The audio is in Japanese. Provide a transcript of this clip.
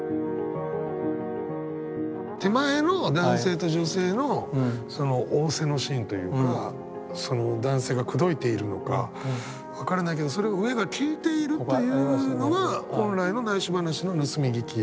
手前の男性と女性のその逢瀬のシーンというかその男性が口説いているのか分からないけどそれを上が聞いているっていうのが本来の内緒話の盗み聞き。